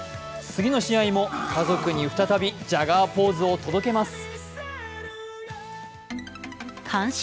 次の試合も家族に再びジャガーポーズを届けます。